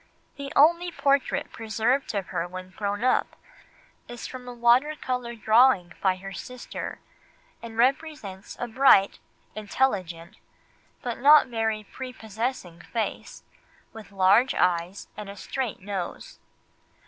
The only portrait preserved of her when grown up is from a water colour drawing by her sister, and represents a bright, intelligent, but not very prepossessing face, with large eyes and a straight nose.